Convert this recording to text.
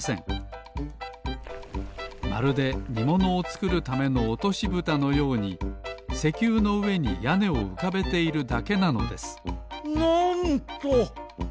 まるでにものをつくるためのおとしぶたのように石油のうえにやねをうかべているだけなのですなんと！